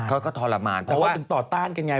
เขาก็ทรมานแต่ว่าถึงต่อต้านกันไง